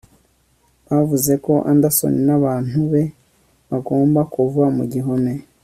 bavuze ko anderson n'abantu be bagomba kuva mu gihome